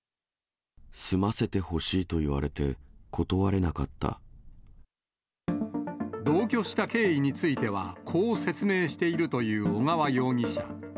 住ませてほしいと言われて、同居した経緯については、こう説明しているという小川容疑者。